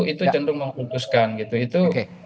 itu tentu mengkultuskan gitu